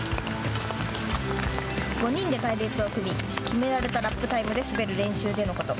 ５人で隊列を組み決められたラップタイムで滑る練習でのこと。